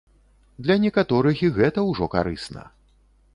Для некаторых і гэта ўжо карысна.